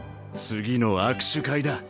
次の握手会だ。